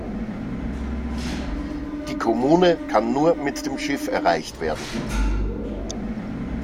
Die Kommune kann nur mit dem Schiff erreicht werden.